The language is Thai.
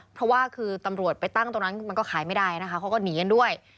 เพราะว่าคือตำรวจไปตั้งตรงนั้นมันก็ขายไม่ได้นะคะเขาก็หนีกันด้วย